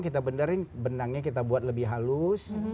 kita benerin benangnya kita buat lebih halus